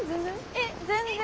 えっ全然？